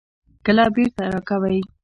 کله بیرته راکوئ؟